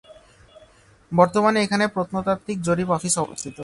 বর্তমানে এখানে প্রত্নতাত্ত্বিক জরিপ অফিস অবস্থিত।